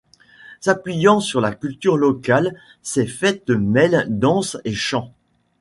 S'appuyant sur la culture locale ces fêtes mêlent danse et chant.